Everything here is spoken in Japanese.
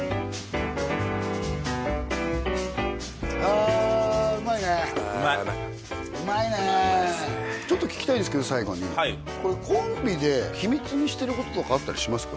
あうまいねうまいうまいねうまいですねちょっと聞きたいんですけど最後にこれコンビで秘密にしてることとかあったりしますか？